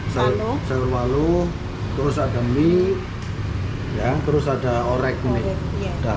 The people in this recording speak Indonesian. sayur walu terus ada mie terus ada orek mie